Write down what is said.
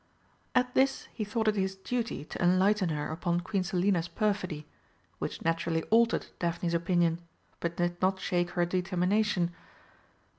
At this he thought it his duty to enlighten her upon Queen Selina's perfidy, which naturally altered Daphne's opinion, but did not shake her determination.